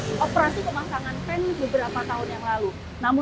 agar fahri bisa ikut lebih normal lebih sehat dan juga lebih mati